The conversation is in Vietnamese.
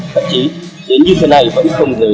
thậm chí đến như thế này vẫn không rời điện thoại